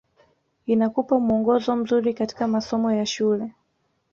inakupa muongozo mzuri katika masomo ya shule